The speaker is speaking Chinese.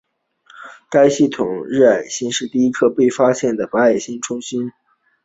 该系统的白矮星是第一颗被发现的白矮星脉冲星。